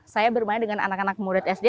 saya bermain dengan anak anak murid sd